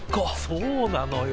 そうなのよ。